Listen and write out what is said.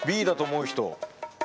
Ｂだと思う人。